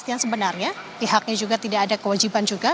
yang sebenarnya pihaknya juga tidak ada kewajiban juga